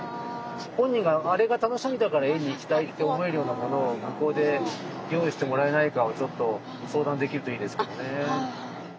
本人が「あれが楽しみだから園に行きたい」って思えるようなものを向こうで用意してもらえないかをちょっと相談できるといいですけどね。